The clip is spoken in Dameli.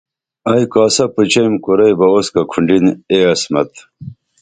ائی کاسہ پُچیم کُرئی بہ اُسکہ کُھنڈِن اے عصمت